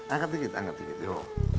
angkat dikit angkat dikit yuk